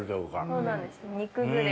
そうなんです。